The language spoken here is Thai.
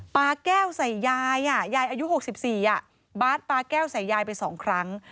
ปลาแก้วใส่ยายยายอายุ๖๔บาทปลาแก้วใส่ยายไป๒ครั้ง